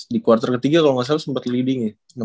di quarter ketiga kalo gak salah sempet leading ya